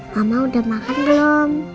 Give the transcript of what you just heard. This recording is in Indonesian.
mama udah makan belum